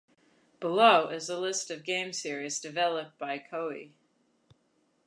Below is a list of game series developed by Koei.